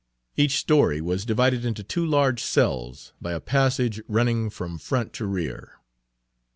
Each story was divided into two large cells by a passage running from front to rear.